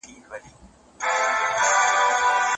زه به ولي هر پرهار ته په سینه کي خوږېدلای.